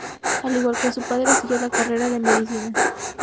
Al igual que su padre siguió la carrera de medicina.